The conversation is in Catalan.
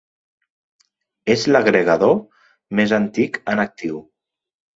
És l'agregador més antic en actiu.